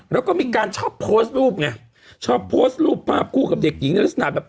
แล้วก็มีการชอบโพสต์รูปไงชอบโพสต์รูปภาพคู่กับเด็กหญิงในลักษณะแบบ